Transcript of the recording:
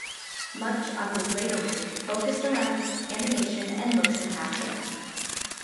Much of his later work focused around animation and motion capture.